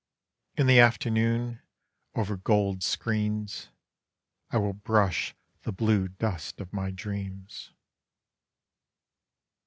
In the afternoon, over gold screens, I will brush the blue dust of my dreams.